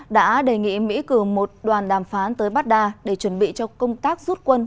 đã đề nghị mỹ cử một đoàn đàm phán tới baghdad để chuẩn bị cho công tác rút quân